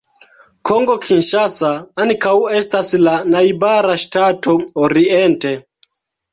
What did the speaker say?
Kongo Kinŝasa ankaŭ estas la najbara ŝtato oriente.